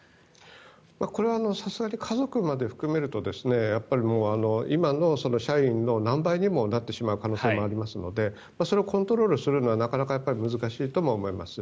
これはさすがに家族まで含めると今の社員の何倍にもなってしまう可能性もありますのでそれをコントロールするのはなかなか難しいと思います。